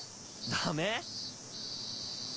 ダメ？